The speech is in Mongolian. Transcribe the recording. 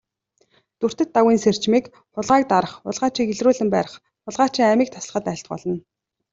Дүртэд Дагвын сэржмийг хулгайг дарах, хулгайчийг илрүүлэн барих, хулгайчийн амийг таслахад айлтгуулна.